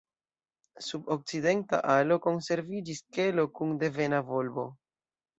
Sub okcidenta alo konserviĝis kelo kun devena volbo.